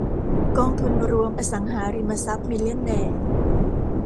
กองทุนรวมอสังหาริมทรัพย์มิลเลียนแนร์